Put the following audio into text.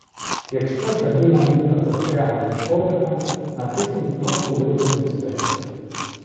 Якщо кабіна ліфта застрягла міжповерхами, натисніть кнопку Виклик диспетчера